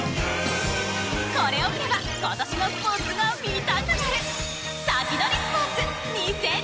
これを見れば今年もスポーツが見たくなる！